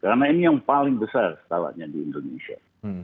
karena ini yang paling besar setalanya di indonesia